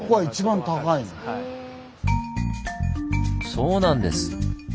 そうなんです！